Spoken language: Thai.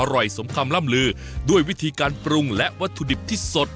สมคำล่ำลือด้วยวิธีการปรุงและวัตถุดิบที่สด